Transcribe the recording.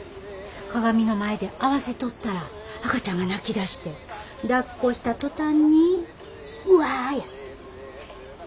鏡の前で合わせとったら赤ちゃんが泣きだしてだっこした途端にウワッや。